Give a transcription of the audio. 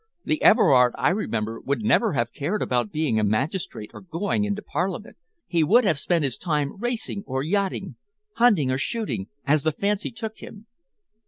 The Everard I remember would never have cared about being a magistrate or going into Parliament. He would have spent his time racing or yachting, hunting or shooting, as the fancy took him.